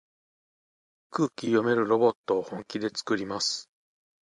空気読めるロボットを本気でつくります。